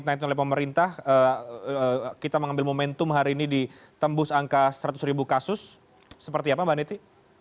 mbak neti apa yang anda ingin mengatakan kepada pemerintah kita mengambil momentum hari ini di tembus angka seratus ribu kasus seperti apa mbak neti